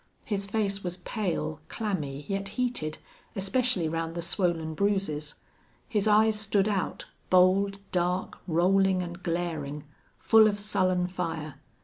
His face was pale, clammy, yet heated, especially round the swollen bruises; his eyes stood out, bold, dark, rolling and glaring, full of sullen fire.